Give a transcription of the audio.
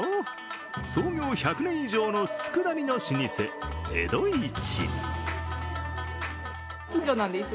創業１００年以上のつくだ煮の老舗、江戸一。